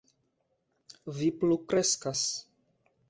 Vi plu kreskas.